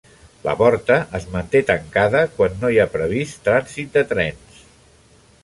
La porta es manté tancada quan no hi ha previst trànsit de trens.